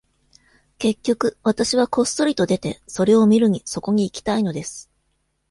結局、私はこっそりと出て、それを見るにそこに行きたいのです。